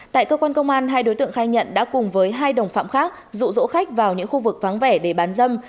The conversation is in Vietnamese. tại cơ quan công an hai đối tượng khai nhận đã cùng với hai đồng phạm khác rụ rỗ khách vào những khu vực vắng vẻ để bán dâm